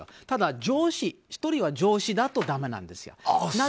ただ、１人は上司だとだめなんです。